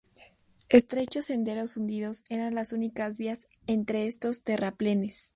Estrechos senderos hundidos eran las únicas vías entre estos terraplenes.